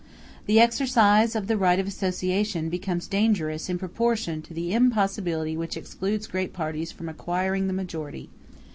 The exercise of the right of association becomes dangerous in proportion to the impossibility which excludes great parties from acquiring the majority.